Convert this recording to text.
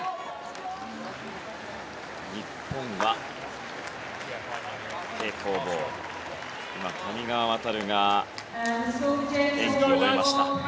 日本は、平行棒谷川航が演技を終えました。